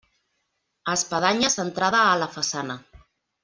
Espadanya centrada a la façana.